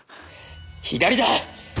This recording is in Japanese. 左だ！